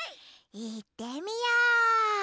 いってみよう！